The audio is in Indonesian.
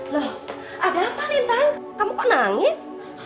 loh ada apa rita kamu kok nangis